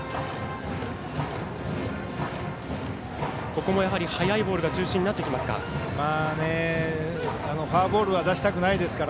ここも速いボールが中心になってきますか。